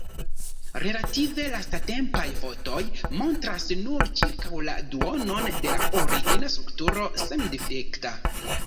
Relative lastatempaj fotoj montras nur ĉirkaŭ la duonon de la origina strukturo sendifekta.